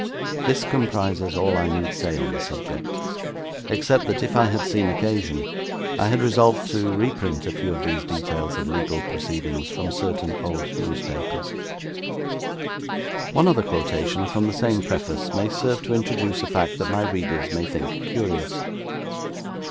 This comprises all I need say on the subject; except that if I had seen occasion, I had resolved to reprint a few of these details of legal proceedings, from certain old newspapers. One other quotation from the same Preface may serve to introduce a fact that my readers may think curious.